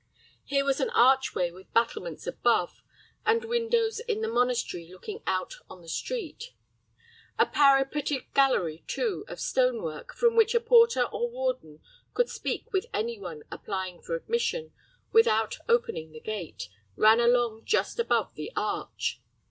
Here was an archway with battlements above, and windows in the masonry looking out on the street. A parapetted gallery, too, of stone work, from which a porter or warden could speak with any one applying for admission, without opening the gate, ran along just above the arch.